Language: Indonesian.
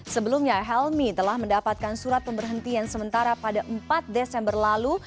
sebelumnya helmi telah mendapatkan surat pemberhentian sementara pada empat desember lalu